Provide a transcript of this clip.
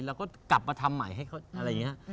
แล้วก็กลับมาทำใหม่ให้เขาอะไรอย่างนี้